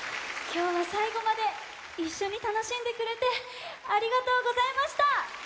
きょうはさいごまでいっしょにたのしんでくれてありがとうございました！